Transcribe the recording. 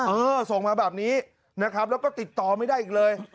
เออส่งมาแบบนี้นะครับแล้วก็ติดต่อไม่ได้อีกเลย